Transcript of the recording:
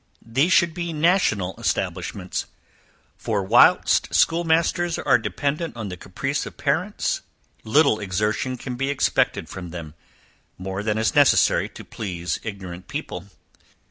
But these should be national establishments, for whilst school masters are dependent on the caprice of parents, little exertion can be expected from them, more than is necessary to please ignorant people.